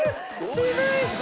渋い！